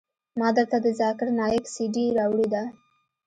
ما درته د ذاکر نايک سي ډي راوړې ده.